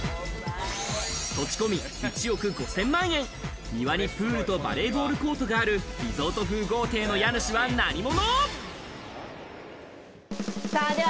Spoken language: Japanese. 土地込み１億５０００万円、庭にプールとバレーボールコートがある、リゾート風豪邸の家主は何者？